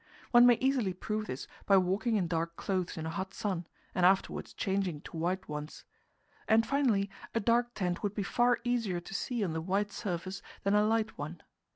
One may easily prove this by walking in dark clothes in a hot sun, and afterwards changing to white ones. And, finally, a dark tent would be far easier to see on the white surface than a light one.